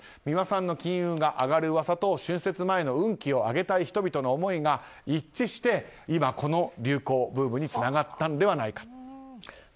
美輪さんの金運が上がる噂と春節前の運気を上げたい人々の思いが一致して今、この流行ブームにつながったのではないか。